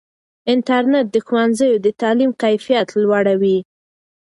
انټرنیټ د ښوونځیو د تعلیم کیفیت لوړوي.